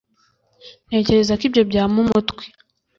Ntekereza ko ibyo byampa umutwe